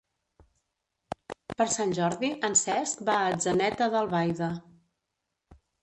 Per Sant Jordi en Cesc va a Atzeneta d'Albaida.